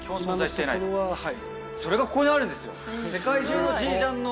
それがここにあるんですよ。